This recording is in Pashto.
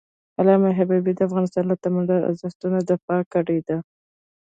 علامه حبيبي د افغانستان له تمدني ارزښتونو دفاع کړی ده.